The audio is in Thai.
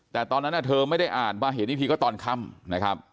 แต่ตอนนั้นเธอไม่ได้อ่านมาเห็นอีกทีก็ตอนค่ำนะครับ